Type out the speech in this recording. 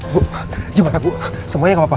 bu gimana bu semuanya gak apa apa